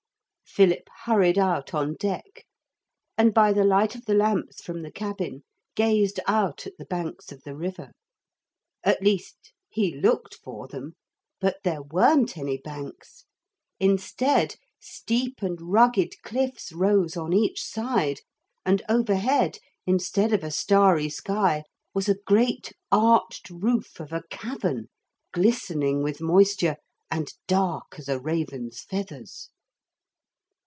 Philip hurried out on deck, and by the light of the lamps from the cabin, gazed out at the banks of the river. At least he looked for them. But there weren't any banks. Instead, steep and rugged cliffs rose on each side, and overhead, instead of a starry sky, was a great arched roof of a cavern glistening with moisture and dark as a raven's feathers.